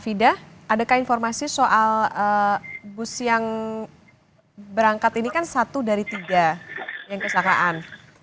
fida adakah informasi soal bus yang berangkat ini kan satu dari tiga yang kesakaan